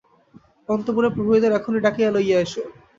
অন্তঃপুরের প্রহরীদের এখনি ডাকিয়া লইয়া এস!